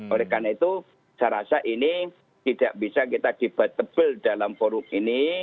oleh karena itu saya rasa ini tidak bisa kita debatable dalam forum ini